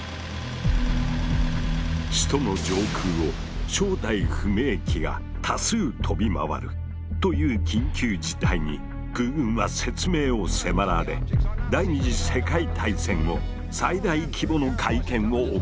首都の上空を正体不明機が多数飛び回るという緊急事態に空軍は説明を迫られ第２次世界大戦後最大規模の会見を行うことになった。